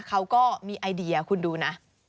เขาก็มีไอเดียคุณดูนะ